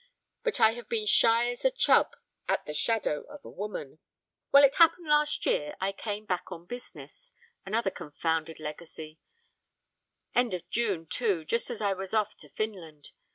But I have been shy as a chub at the shadow of a woman. Well, it happened last year I came back on business another confounded legacy; end of June too, just as I was off to Finland.